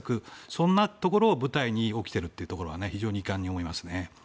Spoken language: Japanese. そんなところを舞台に起きているのが非常に遺憾に思いますね。